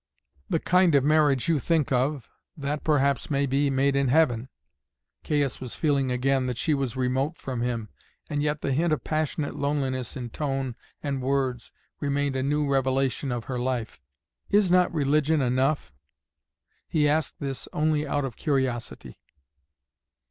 "The kind of marriage you think of, that perhaps may be made in heaven." Caius was feeling again that she was remote from him, and yet the hint of passionate loneliness in tone and words remained a new revelation of her life. "Is not religion enough?" He asked this only out of curiosity.